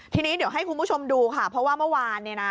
ทีนี้เดี๋ยวให้คุณผู้ชมดูค่ะเพราะว่าเมื่อวานเนี่ยนะ